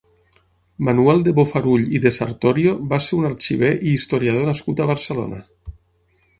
Manuel de Bofarull i de Sartorio va ser un arxiver i historiador nascut a Barcelona.